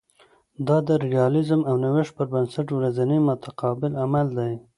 دا د ریالیزم او نوښت پر بنسټ ورځنی متقابل عمل دی